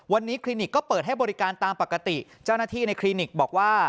วันนี้คลินิกก็เปิดให้บริการตามปกติเจ้าหน้าที่ในคลินิกบอกว่า